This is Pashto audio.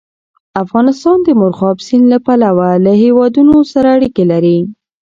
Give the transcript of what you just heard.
افغانستان د مورغاب سیند له پلوه له هېوادونو سره اړیکې لري.